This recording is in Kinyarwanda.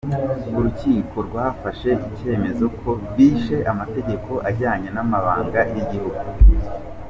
urukiko rwafashe icyemezo ko bishe amategeko ajyanye n'amabanga y'igihugu.